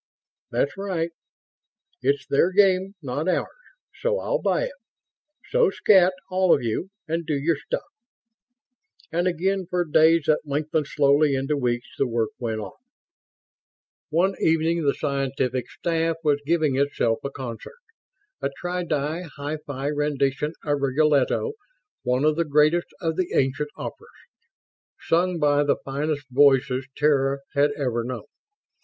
"That's right. It's their game, not ours, so I'll buy it. So scat, all of you, and do your stuff." And again, for days that lengthened slowly into weeks, the work went on. One evening the scientific staff was giving itself a concert a tri di hi fi rendition of Rigoletto, one of the greatest of the ancient operas, sung by the finest voices Terra had ever known.